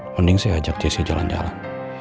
mending saya ajak jessi jalan jalan